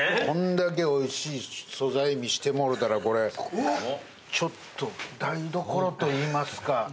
こんだけおいしい素材見してもろうたらこれちょっと台所といいますか。